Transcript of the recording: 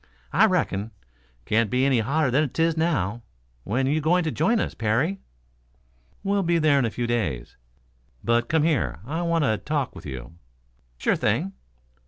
"I reckon. Can't be any hotter than 'tis now. When you going to join us, Parry?" "We'll be there in a few days. But come here; I want to talk with you?" "Sure thing."